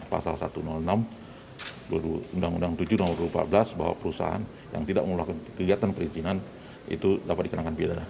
pasal satu ratus enam undang undang tujuh dua ribu empat belas bahwa perusahaan yang tidak melakukan kegiatan perizinan itu dapat dikenakan pidana